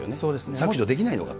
削除できないのかと。